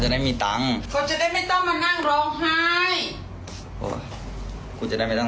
ตรงนั้นก็ไม่ได้ง็บโดยเฉพาะ